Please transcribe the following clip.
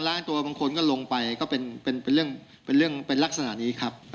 ล้างตัวบางคนก็ลงไปก็เป็นเรื่องเป็นเรื่องเป็นลักษณะนี้ครับ